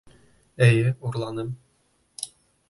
Эйе, урланым!